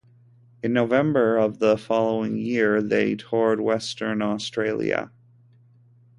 In November of the following year they toured Western Australia.